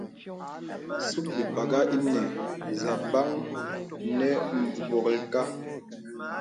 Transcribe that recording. Sùp bìpàghà ìnə zəkbən nə mgbōlka.